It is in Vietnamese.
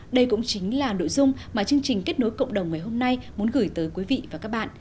đây cũng chính là nội dung mà chương trình kết nối cộng đồng ngày hôm nay muốn gửi tới quý vị và các bạn